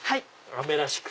雨らしく。